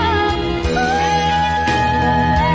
แน่แน่รู้เหรอ